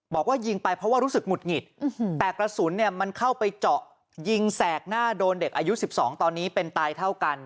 บอกว่ายิงไปเพราะว่ารู้สึกหงุดหงิดแต่กระสุนเนี่ยมันเข้าไปเจาะยิงแสกหน้าโดนเด็กอายุ๑๒ตอนนี้เป็นตายเท่ากัน